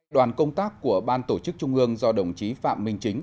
đoàn công tác của ban tổ chức trung ương do đồng chí phạm minh chính